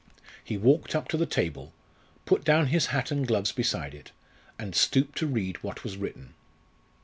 He walked up to the table, put down his hat and gloves beside it, and stooped to read what was written.